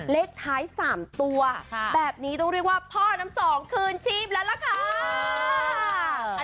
เลขท้าย๓ตัวแบบนี้ต้องเรียกว่าพ่อน้ำสองคืนชีพแล้วล่ะค่ะ